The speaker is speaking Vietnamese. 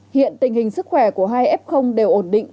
hiện tình hình sức khỏe của hai f đều ổn định